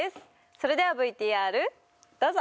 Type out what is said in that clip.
それではＶＴＲどうぞ！